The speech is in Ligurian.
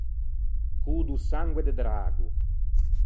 Cô do sangue de drago.